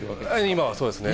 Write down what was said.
今はそうですね。